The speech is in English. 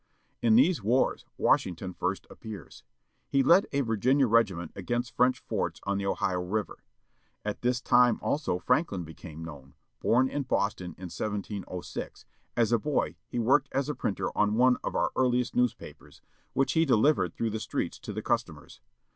In these wars Washington first appears. He led a Virginia regiment against French forts on the Ohio River. At this time also Franklin became known, bom in Boston in 1706, as a boy he worked as a printer on one of our earliest newspapers, which he delivered through the streets to the customers.